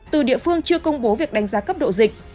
từ địa phương chưa công bố việc đánh giá cấp độ dịch